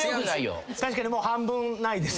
確かにもう半分ないです。